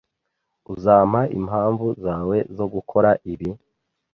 Uzampa impamvu zawe zo gukora ibi?